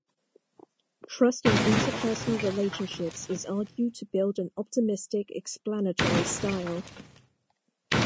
Trust in interpersonal relationships is argued to build an optimistic explanatory style.